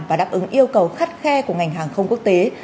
và đáp ứng yêu cầu khắt khe của ngành hàng không quốc tế